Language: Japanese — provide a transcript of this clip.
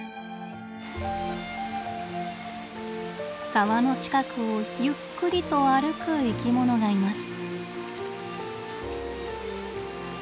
沢の近くをゆっくりと歩く生き物がいます。